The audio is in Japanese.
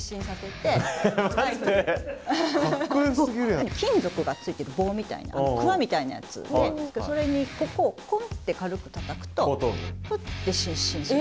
今では金属がついてる棒みたいなクワみたいなやつでそれでここをコンって軽くたたくとフッて失神する。